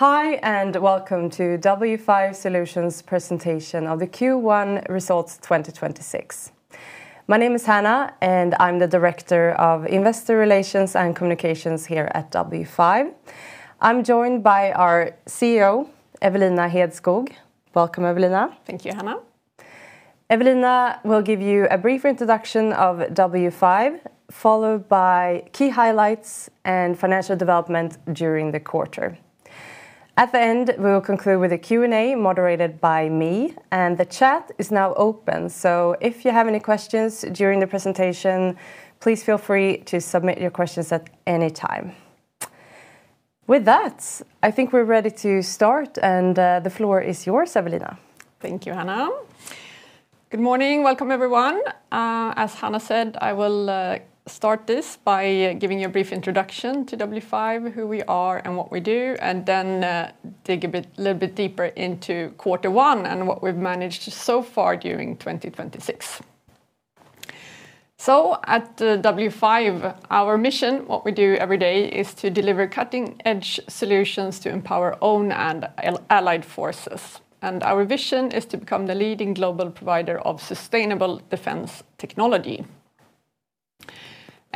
Hi. Welcome to W5 Solutions presentation of the Q1 results 2026. My name is Hannah, and I'm the Director of Investor Relations and Communications here at W5. I'm joined by our CEO, Evelina Hedskog. Welcome, Evelina. Thank you, Hannah. Evelina will give you a brief introduction of W5, followed by key highlights and financial development during the quarter. At the end, we will conclude with a Q&A moderated by me. The chat is now open. If you have any questions during the presentation, please feel free to submit your questions at any time. With that, I think we're ready to start. The floor is yours, Evelina. Thank you, Hannah. Good morning. Welcome, everyone. As Hannah said, I will start this by giving you a brief introduction to W5, who we are and what we do, then dig a little bit deeper into quarter one and what we've managed so far during 2026. At W5, our mission, what we do every day, is to deliver cutting-edge solutions to empower own and allied forces. Our vision is to become the leading global provider of sustainable defense technology.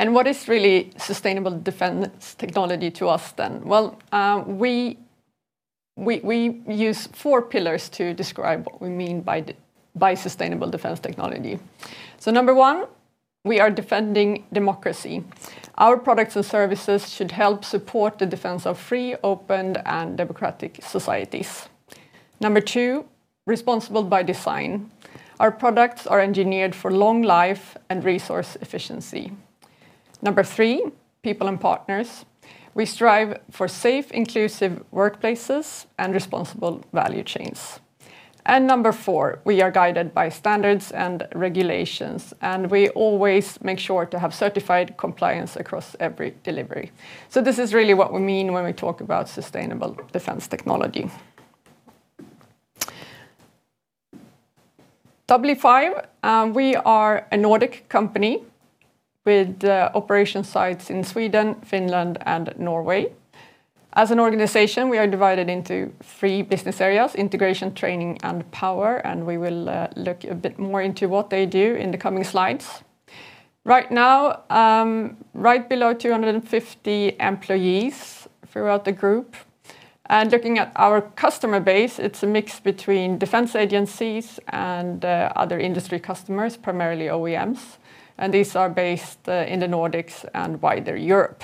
What is really sustainable defense technology to us then? We use four pillars to describe what we mean by sustainable defense technology. Number one, we are defending democracy. Our products and services should help support the defense of free, open, and democratic societies. Number two, responsible by design. Our products are engineered for long life and resource efficiency. Number three, people and partners. We strive for safe, inclusive workplaces and responsible value chains. Number four, we are guided by standards and regulations, and we always make sure to have certified compliance across every delivery. This is really what we mean when we talk about sustainable defense technology. W5, we are a Nordic company with operation sites in Sweden, Finland, and Norway. As an organization, we are divided into three business areas: Integration, Training, and Power, and we will look a bit more into what they do in the coming slides. Right now, right below 250 employees throughout the group. Looking at our customer base, it's a mix between defense agencies and other industry customers, primarily OEMs, and these are based in the Nordics and wider Europe.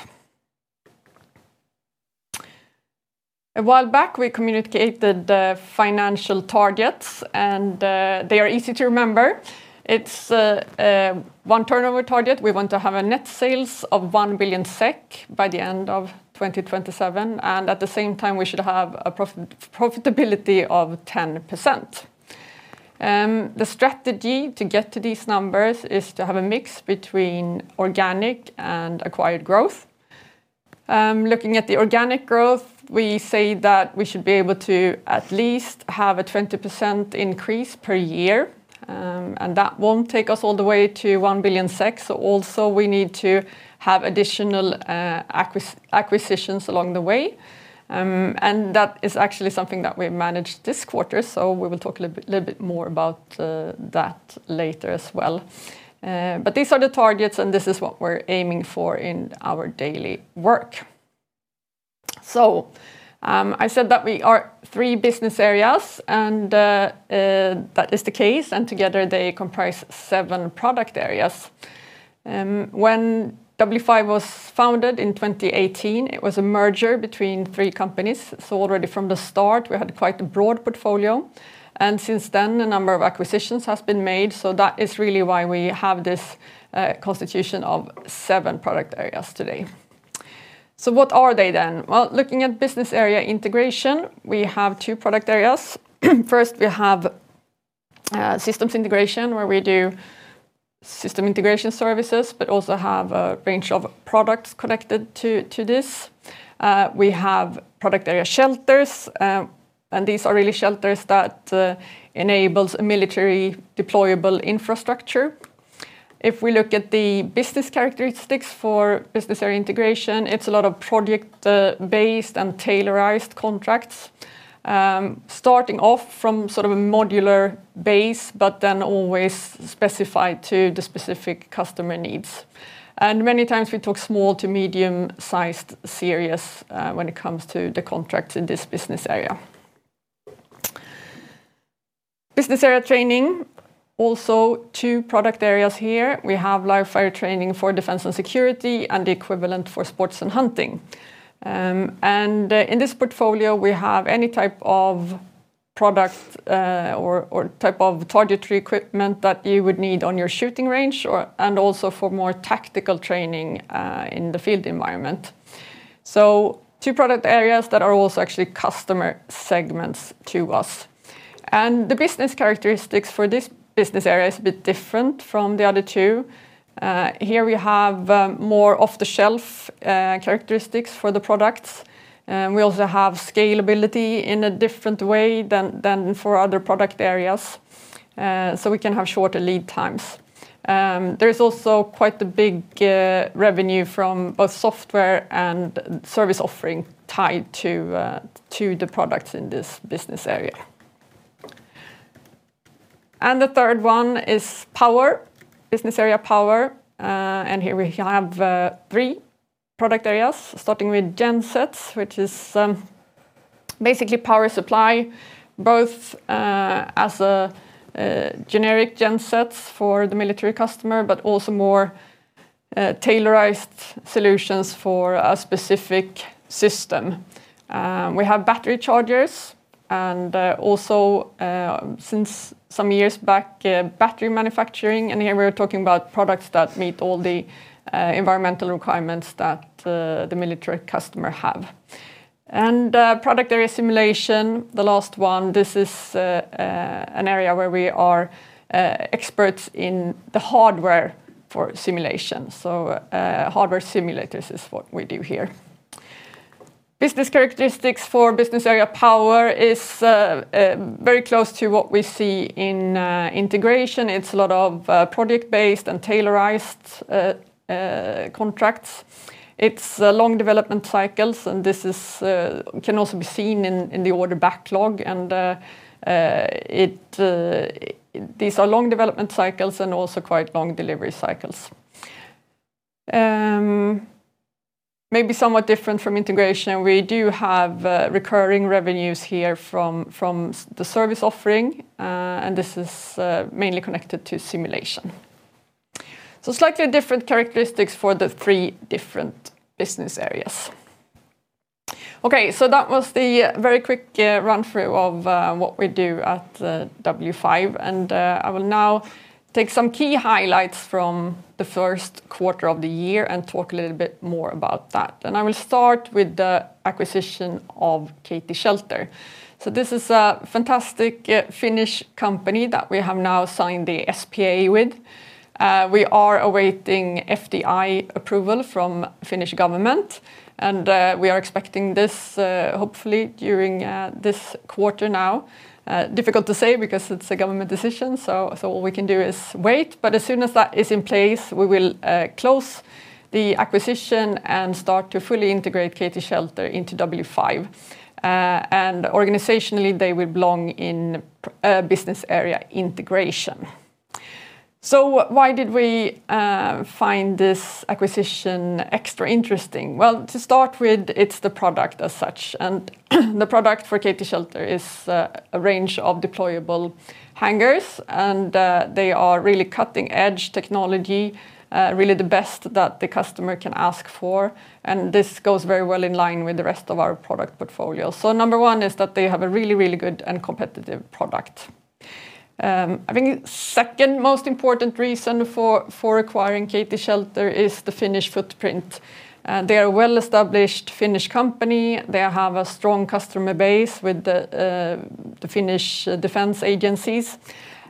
A while back, we communicated the financial targets. They are easy to remember. It's one turnover target. We want to have a net sales of 1 billion SEK by the end of 2027, and at the same time, we should have a profitability of 10%. The strategy to get to these numbers is to have a mix between organic and acquired growth. Looking at the organic growth, we say that we should be able to at least have a 20% increase per year, and that won't take us all the way to 1 billion, so also we need to have additional acquisitions along the way. That is actually something that we've managed this quarter, so we will talk a little bit more about that later as well. These are the targets, and this is what we're aiming for in our daily work. I said that we are three business areas, and that is the case, and together they comprise seven product areas. When W5 was founded in 2018, it was a merger between three companies, already from the start, we had quite a broad portfolio. Since then, a number of acquisitions has been made, that is really why we have this constitution of seven product areas today. What are they? Well, looking at business area Integration, we have two product areas. First, we have Systems Integration, where we do system integration services, also have a range of products connected to this. We have product area Shelters, these are really shelters that enables a military deployable infrastructure. If we look at the business characteristics for business area Integration, it's a lot of project-based and tailorized contracts, starting off from sort of a modular base, but then always specified to the specific customer needs. Many times we talk small to medium-sized series when it comes to the contracts in this business area. Business area Training, also two product areas here. We have Live Fire Training for defense and security and the equivalent for sports and hunting. In this portfolio, we have any type of product or type of targetry equipment that you would need on your shooting range and also for more tactical training in the field environment. Two product areas that are also actually customer segments to us. The business characteristics for this business area is a bit different from the other two. Here we have more off-the-shelf characteristics for the products. We also have scalability in a different way than for other product areas, so we can have shorter lead times. There's also quite a big revenue from both software and service offering tied to the products in this business area. The third one is Power, business area Power. Here we have three product areas, starting with Gensets, which is basically power supply, both as generic Gensets for the military customer, but also more tailorized solutions for a specific system. We have Batteries & Chargers and also since some years back, battery manufacturing. Here, we're talking about products that meet all the environmental requirements that the military customer have. Product area Simulation, the last one, this is an area where we are experts in the hardware for Simulation. Hardware simulators is what we do here. Business characteristics for business area Power is very close to what we see in Integration. It's a lot of project-based and tailored contracts. It's long development cycles, and this can also be seen in the order backlog and these are long development cycles and also quite long delivery cycles. Maybe somewhat different from Integration, we do have recurring revenues here from the service offering, and this is mainly connected to Simulation. Slightly different characteristics for the three different business areas. Okay. That was the very quick run-through of what we do at W5. I will now take some key highlights from the first quarter of the year and talk a little bit more about that. I will start with the acquisition of KT-Shelter. This is a fantastic Finnish company that we have now signed the SPA with. We are awaiting FDI approval from Finnish government, and we are expecting this hopefully during this quarter now. Difficult to say because it's a government decision, so all we can do is wait. As soon as that is in place, we will close the acquisition and start to fully integrate KT-Shelter into W5. Organizationally, they will belong in business area Integration. Why did we find this acquisition extra interesting? Well, to start with, it's the product as such, and the product for KT-Shelter is a range of deployable hangars, and they are really cutting-edge technology, really the best that the customer can ask for. This goes very well in line with the rest of our product portfolio. Number one is that they have a really, really good and competitive product. I think second most important reason for acquiring KT-Shelter is the Finnish footprint. They are a well-established Finnish company. They have a strong customer base with the Finnish defense agencies,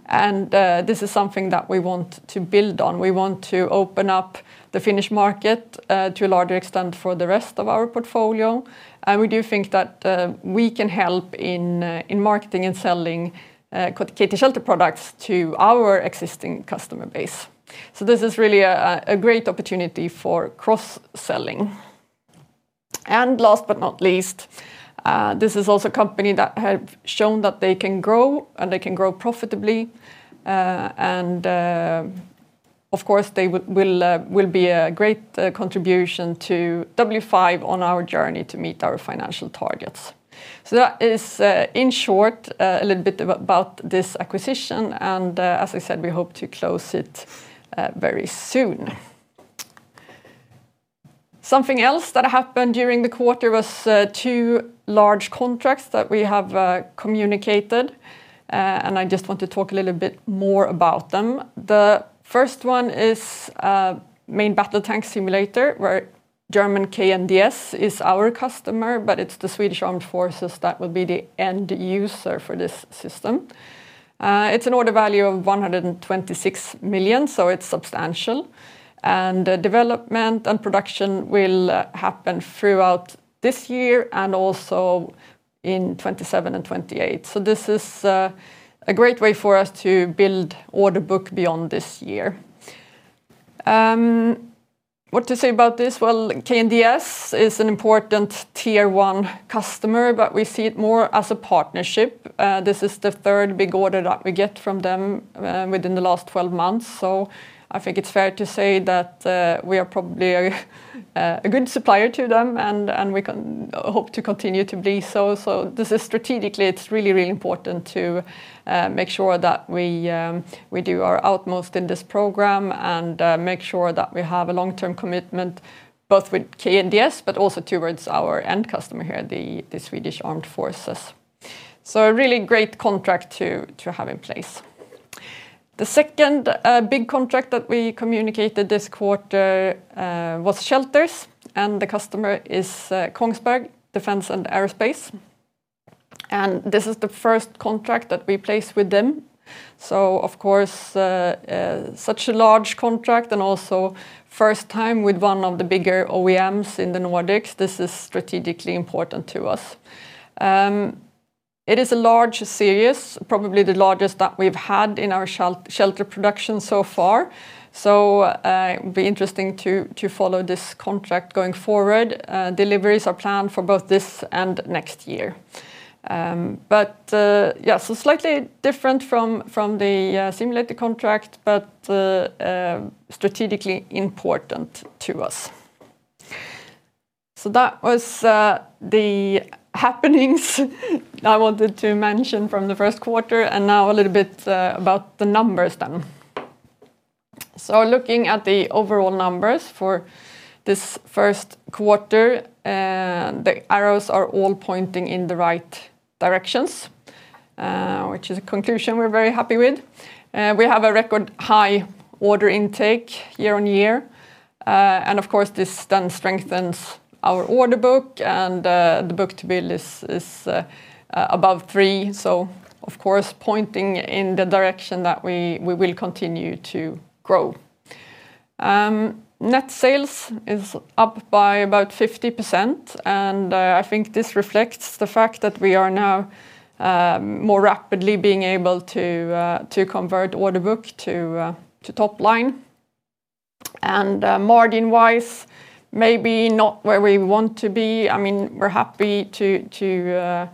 and this is something that we want to build on. We want to open up the Finnish market to a larger extent for the rest of our portfolio. We do think that we can help in marketing and selling KT-Shelter products to our existing customer base. This is really a great opportunity for cross-selling. Last but not least, this is also a company that have shown that they can grow and they can grow profitably. Of course, they will be a great contribution to W5 on our journey to meet our financial targets. That is, in short, a little bit about this acquisition. As I said, we hope to close it very soon. Something else that happened during the quarter was two large contracts that we have communicated, and I just want to talk a little bit more about them. The first one is main battle tank simulator, where German KNDS is our customer, but it's the Swedish Armed Forces that will be the end user for this system. It's an order value of 126 million, it's substantial. Development and production will happen throughout this year and also in 2027 and 2028. This is a great way for us to build order book beyond this year. What to say about this? Well, KNDS is an important tier one customer, but we see it more as a partnership. This is the third big order that we get from them within the last 12 months. I think it's fair to say that we are probably a good supplier to them, and we can hope to continue to be so. This is strategically, it's really, really important to make sure that we do our utmost in this program and make sure that we have a long-term commitment both with KNDS, but also towards our end customer here, the Swedish Armed Forces. A really great contract to have in place. The second big contract that we communicated this quarter was shelters, and the customer is Kongsberg Defence & Aerospace. This is the first contract that we place with them. Of course, such a large contract and also first time with one of the bigger OEMs in the Nordics, this is strategically important to us. It is a large series, probably the largest that we've had in our shelter production so far, it will be interesting to follow this contract going forward. Deliveries are planned for both this and next year. Slightly different from the simulation contract, but strategically important to us. That was the happenings I wanted to mention from the first quarter, and now a little bit about the numbers. Looking at the overall numbers for this first quarter, the arrows are all pointing in the right directions, which is a conclusion we're very happy with. We have a record high order intake year-on-year. Of course, this strengthens our order book and the book-to-bill is above 3, of course pointing in the direction that we will continue to grow. Net sales is up by about 50%, and I think this reflects the fact that we are now more rapidly being able to convert order book to top line. Margin-wise, maybe not where we want to be. I mean, we're happy to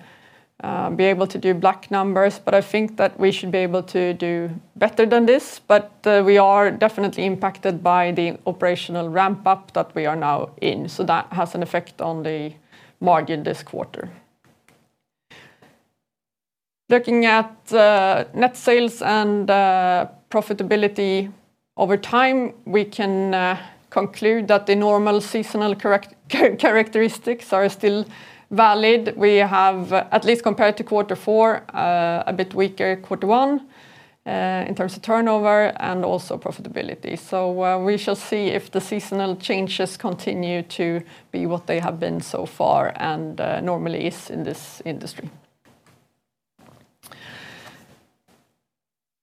be able to do black numbers, but I think that we should be able to do better than this. We are definitely impacted by the operational ramp-up that we are now in, so that has an effect on the margin this quarter. Looking at net sales and profitability over time, we can conclude that the normal seasonal characteristics are still valid. We have, at least compared to quarter four, a bit weaker quarter one in terms of turnover and also profitability. We shall see if the seasonal changes continue to be what they have been so far and normally is in this industry.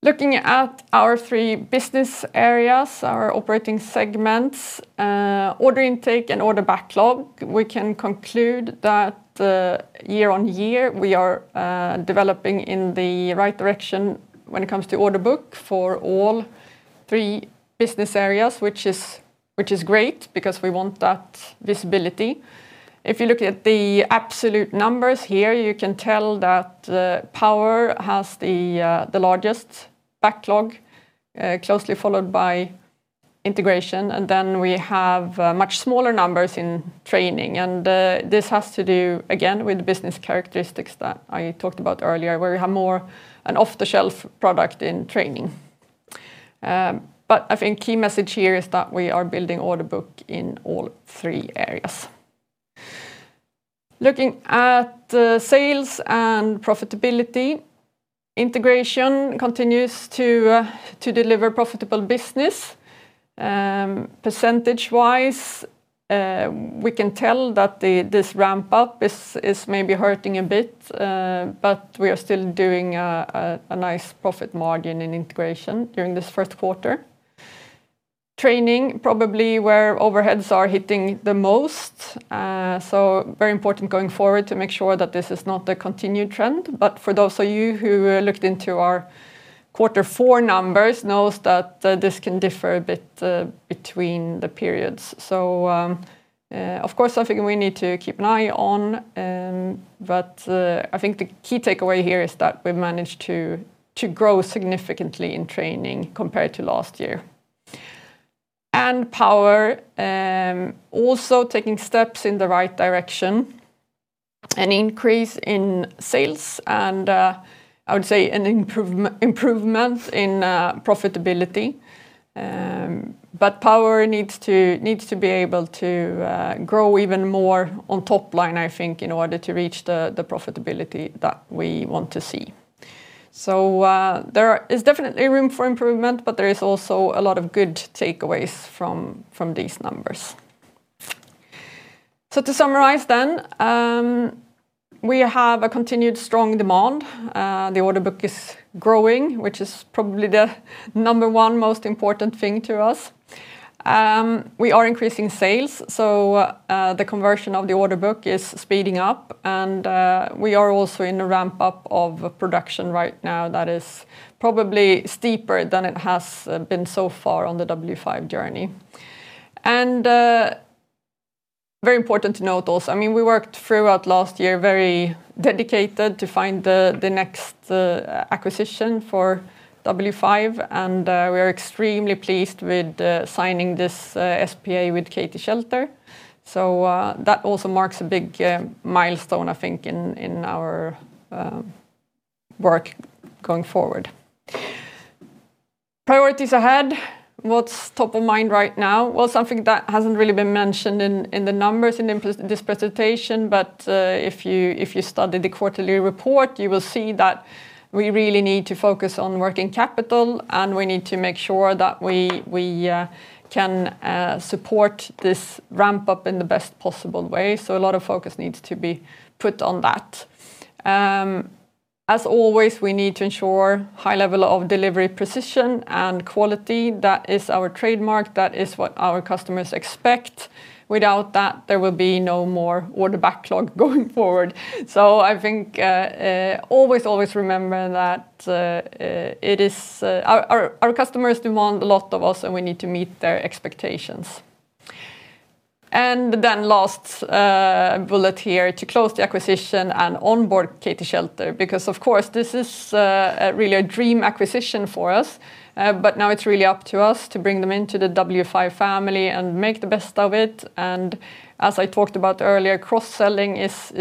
Looking at our three business areas, our operating segments, order intake and order backlog, we can conclude that year-on-year, we are developing in the right direction when it comes to order book for all three business areas, which is great because we want that visibility. If you look at the absolute numbers here, you can tell that the Power has the largest backlog, closely followed by Integration, and then we have much smaller numbers in Training. This has to do, again, with the business characteristics that I talked about earlier, where we have more an off-the-shelf product in Training. I think key message here is that we are building order book in all three areas. Looking at sales and profitability, Integration continues to deliver profitable business. Percentage-wise, we can tell that this ramp-up is maybe hurting a bit, but we are still doing a nice profit margin in Integration during this first quarter. Training probably where overheads are hitting the most. Very important going forward to make sure that this is not the continued trend. For those of you who looked into our quarter four numbers knows that this can differ a bit between the periods. Of course, something we need to keep an eye on. I think the key takeaway here is that we've managed to grow significantly in Training compared to last year. Power also taking steps in the right direction. An increase in sales and, I would say, an improvement in profitability. Power needs to be able to grow even more on top line, I think, in order to reach the profitability that we want to see. There is definitely room for improvement, but there is also a lot of good takeaways from these numbers. To summarize then, we have a continued strong demand. The order book is growing, which is probably the number one most important thing to us. We are increasing sales, so the conversion of the order book is speeding up, and we are also in a ramp-up of production right now that is probably steeper than it has been so far on the W5 journey. Very important to note also, I mean, we worked throughout last year very dedicated to find the next acquisition for W5, and we are extremely pleased with signing this SPA with KT-Shelter. That also marks a big milestone, I think, in our work going forward. Priorities ahead, what's top of mind right now? Well, something that hasn't really been mentioned in the numbers in this presentation, but if you study the quarterly report, you will see that we really need to focus on working capital, and we need to make sure that we can support this ramp-up in the best possible way, so a lot of focus needs to be put on that. As always, we need to ensure high level of delivery precision and quality. That is our trademark. That is what our customers expect. Without that, there will be no more order backlog going forward. I think always, always remember that it is our customers demand a lot of us, and we need to meet their expectations. Last bullet here to close the acquisition and onboard KT-Shelter, because of course, this is really a dream acquisition for us. Now it's really up to us to bring them into the W5 family and make the best of it. As I talked about earlier, cross-selling is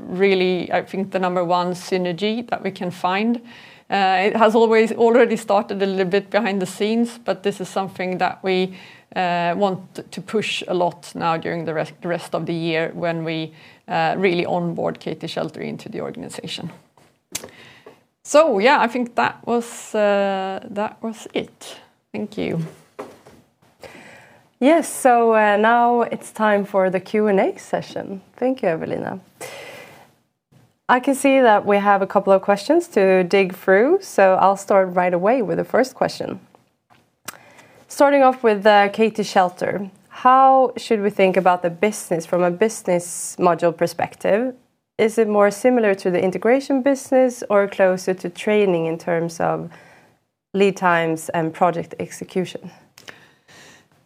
really, I think the number one synergy that we can find. It has always already started a little bit behind the scenes, but this is something that we want to push a lot now during the rest of the year when we really onboard KT-Shelter into the organization. Yeah, I think that was it. Thank you. Yes. Now it's time for the Q&A session. Thank you, Evelina. I can see that we have a couple of questions to dig through, so I will start right away with the first question. Starting off with KT-Shelter, how should we think about the business from a business module perspective? Is it more similar to the Integration business or closer to Training in terms of lead times and project execution?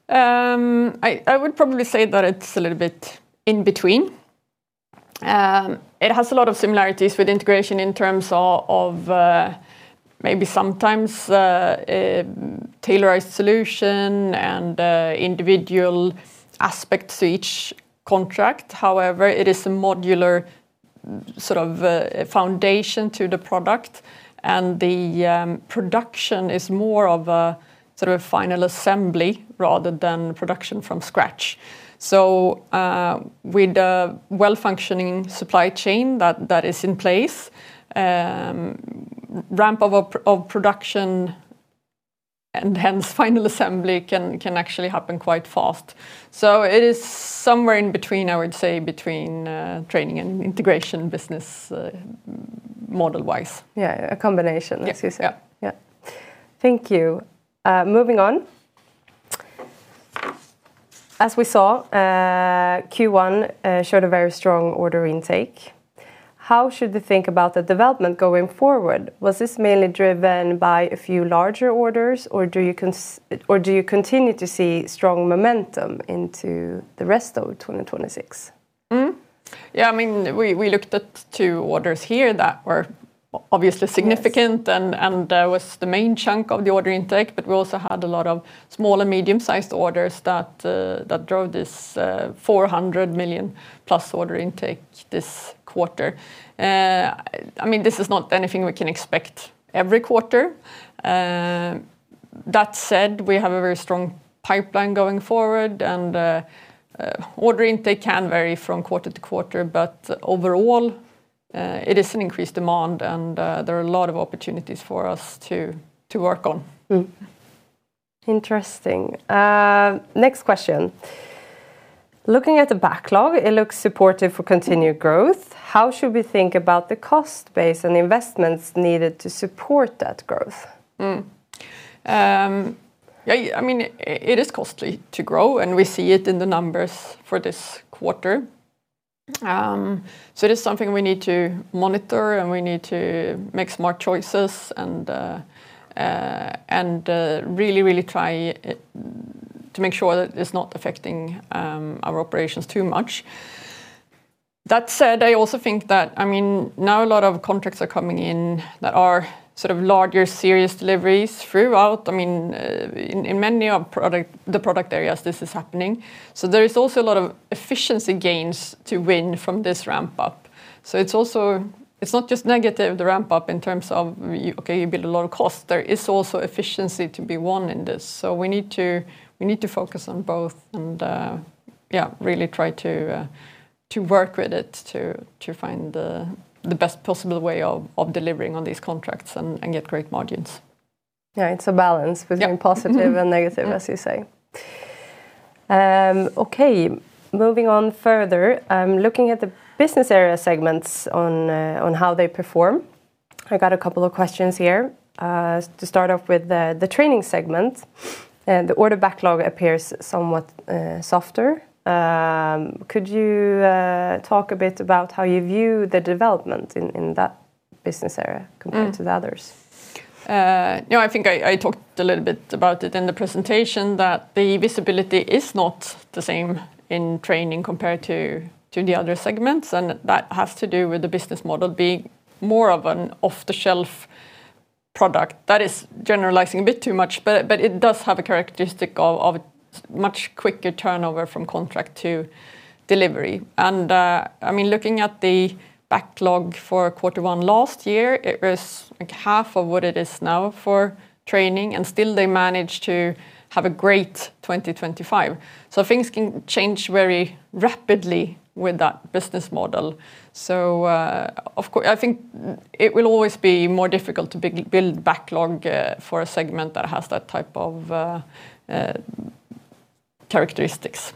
I would probably say that it's a little bit in between. It has a lot of similarities with Integration in terms of maybe sometimes tailored solution and individual aspects to each contract. However, it is a modular sort of foundation to the product, and the production is more of a sort of a final assembly rather than production from scratch. With a well-functioning supply chain that is in place, ramp of production and hence final assembly can actually happen quite fast. It is somewhere in between, I would say, between Training and Integration business model-wise. Yeah, a combination, as you say. Yeah. Yeah. Thank you. Moving on. As we saw, Q1 showed a very strong order intake. How should we think about the development going forward? Was this mainly driven by a few larger orders, or do you continue to see strong momentum into the rest of 2026? Yeah, I mean, we looked at two orders here that were obviously significant. Was the main chunk of the order intake, but we also had a lot of small and medium-sized orders that drove this 400+ million order intake this quarter. I mean, this is not anything we can expect every quarter. That said, we have a very strong pipeline going forward, and order intake can vary from quarter to quarter, but overall, it is an increased demand and there are a lot of opportunities for us to work on. Interesting. Next question. Looking at the backlog, it looks supportive for continued growth. How should we think about the cost base and the investments needed to support that growth? Yeah, I mean, it is costly to grow. We see it in the numbers for this quarter. It is something we need to monitor. We need to make smart choices and really try to make sure that it's not affecting our operations too much. That said, I also think that, I mean, now a lot of contracts are coming in that are sort of larger, serious deliveries throughout. I mean, in many of the product areas this is happening. There is also a lot of efficiency gains to win from this ramp up. It's also, it's not just negative, the ramp up, in terms of you build a lot of cost. There is also efficiency to be won in this. We need to focus on both and, really try to work with it, to find the best possible way of delivering on these contracts and get great margins. Yeah, it's a balance between positive and negative, as you say. Okay. Moving on further, looking at the business area segments on how they perform, I got a couple of questions here. To start off with, the Training segment, the order backlog appears somewhat softer. Could you talk a bit about how you view the development in that business area compared to the others? No, I think I talked a little bit about it in the presentation, that the visibility is not the same in Training compared to the other segments, that has to do with the business model being more of an off-the-shelf product. That is generalizing a bit too much, but it does have a characteristic of much quicker turnover from contract to delivery. I mean, looking at the backlog for Q1 last year, it was, like, half of what it is now for Training, still they managed to have a great 2025. Things can change very rapidly with that business model. I think it will always be more difficult to build backlog for a segment that has that type of characteristics.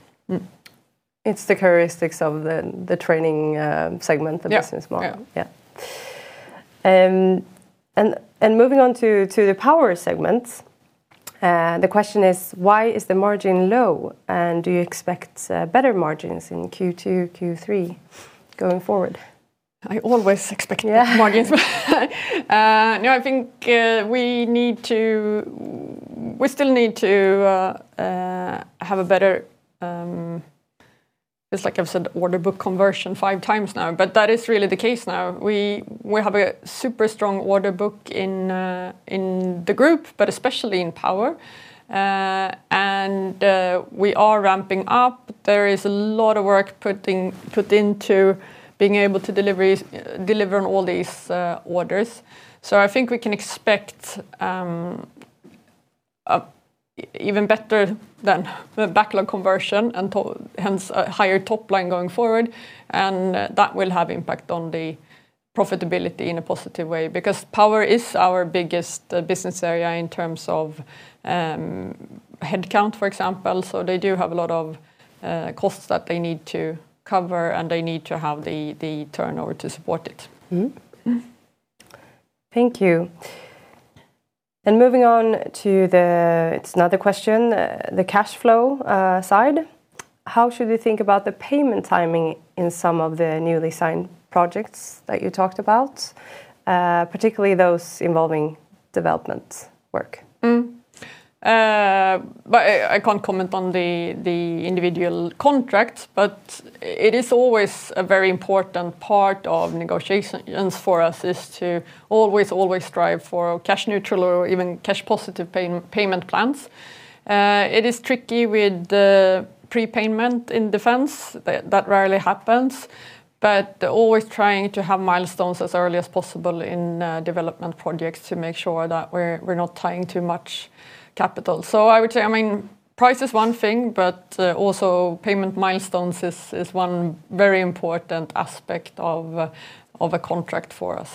It's the characteristics of the Training segment, the business model. Yeah. Yeah. Moving on to the Power segment, the question is, why is the margin low, and do you expect better margins in Q2, Q3 going forward? I always expect that margins. I think we still need to have a better, it's like I've said order book conversion five times now, that is really the case now. We have a super strong order book in the group, especially in Power. We are ramping up. There is a lot of work put into being able to deliveries, deliver on all these orders. I think we can expect even better than the backlog conversion, hence a higher top line going forward, that will have impact on the profitability in a positive way. Power is our biggest business area in terms of head count, for example, so they do have a lot of costs that they need to cover, and they need to have the turnover to support it. Mm-hmm. Thank you. Moving on to another question. The cash flow side. How should we think about the payment timing in some of the newly signed projects that you talked about? Particularly those involving development work. Well, I can't comment on the individual contracts, but it is always a very important part of negotiations for us is to always, always strive for cash neutral or even cash positive payment plans. It is tricky with the prepayment in defense. That rarely happens. Always trying to have milestones as early as possible in development projects to make sure that we're not tying too much capital. I would say, I mean, price is one thing, but also payment milestones is one very important aspect of a contract for us.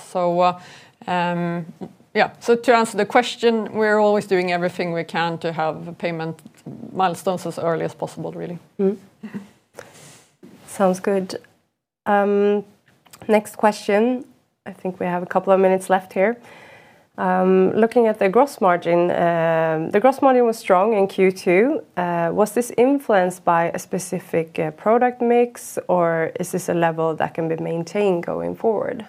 Yeah. To answer the question, we're always doing everything we can to have payment milestones as early as possible, really. Mm-hmm. Sounds good. Next question. I think we have a couple of minutes left here. Looking at the gross margin, the gross margin was strong in Q2. Was this influenced by a specific product mix, or is this a level that can be maintained going forward?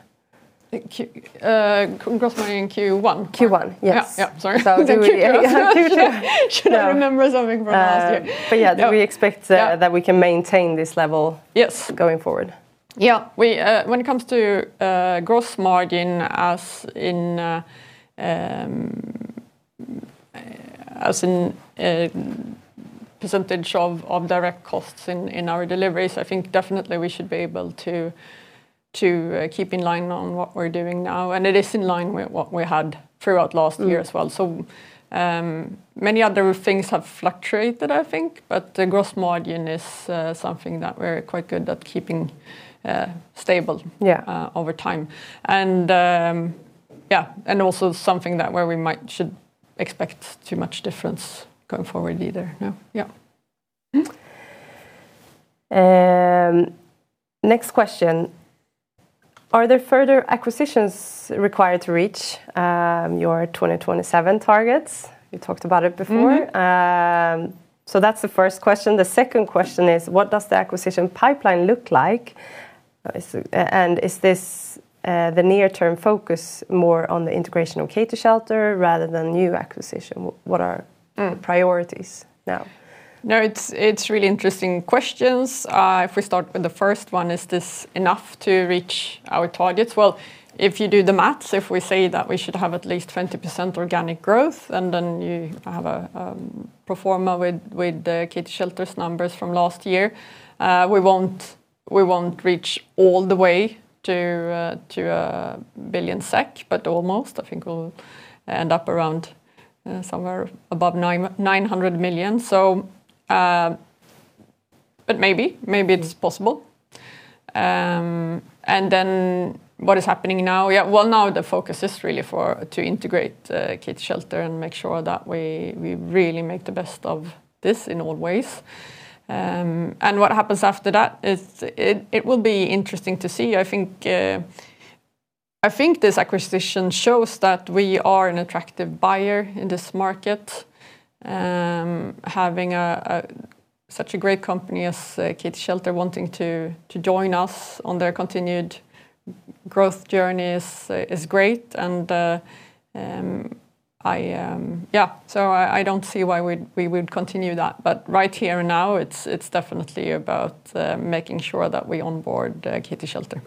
I think gross margin in Q1. Q1, yes. Yeah, yeah. Sorry. So do we- I was like, Q2? Q2. Should I remember something from last year? Yeah. Do we expect that we can maintain this level going forward? Yeah. We, when it comes to gross margin, as in, as in percentage of direct costs in our deliveries, I think definitely we should be able to keep in line on what we're doing now, and it is in line with what we had throughout last year as well. Many other things have fluctuated, I think, but the gross margin is something that we're quite good at keeping stable over time. Yeah. Also something that where we might, should expect too much difference going forward either. No. Yeah. Next question. Are there further acquisitions required to reach your 2027 targets? You talked about it before. That's the first question. The second question is, what does the acquisition pipeline look like? Is this the near-term focus more on the Integration of KT-Shelter rather than new acquisition? What are priorities now? No, it's really interesting questions. If we start with the first one, is this enough to reach our targets? Well, if you do the maths, if we say that we should have at least 20% organic growth, and then you have a pro forma with KT-Shelter's numbers from last year, we won't reach all the way to 1 billion SEK, but almost. I think we'll end up around somewhere above 900 million. Maybe. Maybe it's possible. What is happening now? Yeah, well, now the focus is really for, to integrate KT-Shelter and make sure that we really make the best of this in all ways. And what happens after that, it will be interesting to see. I think this acquisition shows that we are an attractive buyer in this market. Having a such a great company as KT-Shelter wanting to join us on their continued growth journey is great. I don't see why we would continue that. Right here and now, it's definitely about making sure that we onboard KT-Shelter.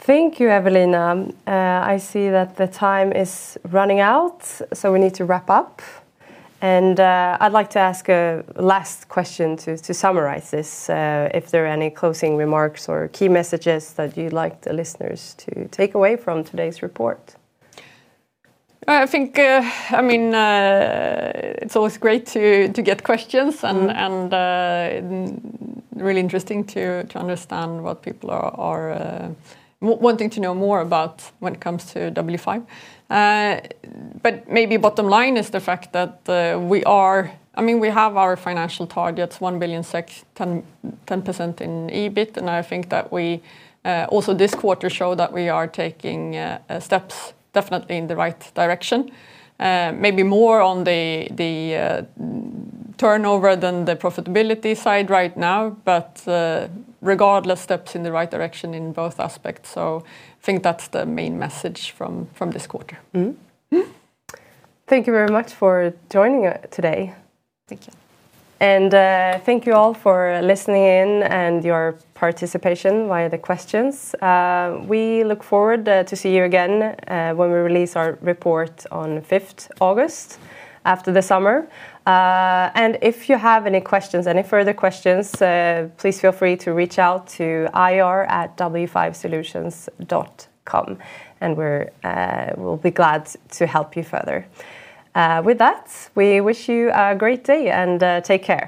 Thank you, Evelina. I see that the time is running out, so we need to wrap up. I'd like to ask a last question to summarize this. If there are any closing remarks or key messages that you'd like the listeners to take away from today's report? I think, I mean, it's always great to get questions and really interesting to understand what people are wanting to know more about when it comes to W5. Maybe bottom line is the fact that we are I mean, we have our financial targets, 1 billion SEK, 10% in EBIT, and I think that we, also this quarter show that we are taking steps definitely in the right direction. Maybe more on the turnover than the profitability side right now, but regardless, steps in the right direction in both aspects. I think that's the main message from this quarter. Thank you very much for joining, today. Thank you. Thank you all for listening in and your participation via the questions. We look forward to see you again when we release our report on the 5th August, after the summer. If you have any questions, any further questions, please feel free to reach out to ir@w5solutions.com and we're, we'll be glad to help you further. With that, we wish you a great day, and take care.